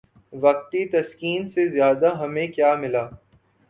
وقتی تسکین سے زیادہ ہمیں کیا ملا؟